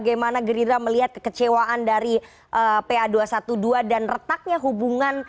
karena gerindra melihat kekecewaan dari pa dua ratus dua belas dan retaknya hubungan